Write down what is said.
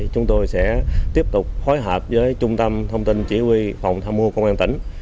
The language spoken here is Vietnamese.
chúng tôi sẽ tiếp tục phối hợp với trung tâm thông tin chỉ huy phòng tham mô công an tỉnh